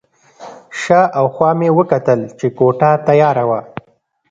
شا او خوا مې وکتل چې کوټه تیاره وه.